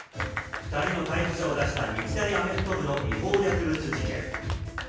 ２人の逮捕者を出した日大アメフト部の違法薬物事件。